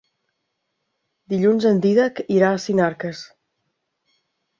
Dilluns en Dídac irà a Sinarques.